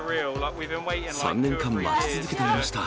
３年間、待ち続けていました。